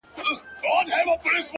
o كله وي خپه اكثر؛